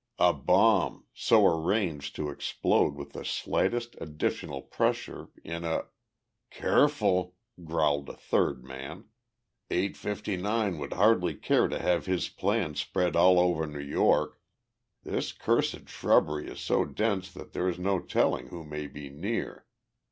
"A bomb, so arranged to explode with the slightest additional pressure, in a " "Careful," growled a third man. "Eight fifty nine would hardly care to have his plans spread all over New York. This cursed shrubbery is so dense that there is no telling who may be near.